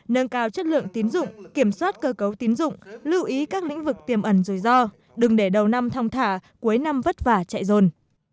nâng cao chất lượng tín dụng kiểm soát cơ cấu tín dụng lưu ý các lĩnh vực tiềm ẩn rủi ro đừng để đầu năm thong thả cuối năm vất vả chạy dồn